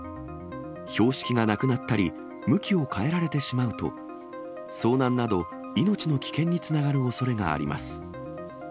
標識がなくなったり向きを変えられてしまうと、遭難など、命の危険につながるおそれがあります。